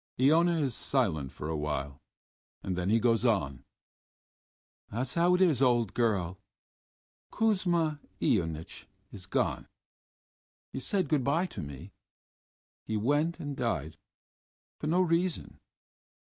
Iona is silent for a while, and then he goes on: "That's how it is, old girl.... Kuzma Ionitch is gone.... He said good by to me.... He went and died for no reason....